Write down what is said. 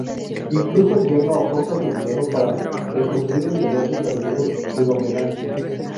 Incluso el yerno aporta su dinero para reconstruir el negocio perdido de Don Venancio.